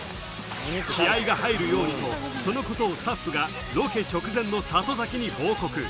気合いが入るようにと、そのことをスタッフがロケ直前の里崎に報告。